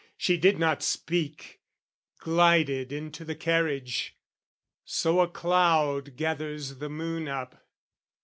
She did not speak, Glided into the carriage, so a cloud Gathers the moon up.